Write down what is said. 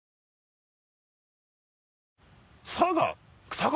佐賀？